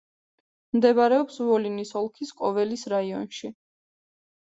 მდებარეობს ვოლინის ოლქის კოველის რაიონში.